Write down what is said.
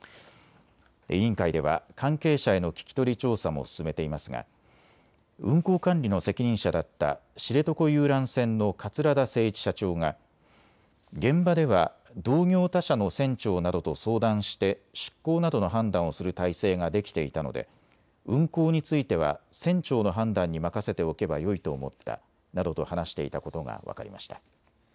委員会では関係者への聞き取り調査も進めていますが運航管理の責任者だった知床遊覧船の桂田精一社長が現場では同業他社の船長などと相談して出航などの判断をする体制ができていたので運航については船長の判断に任せておけばよいと思ったなどと話していたことが分かりました。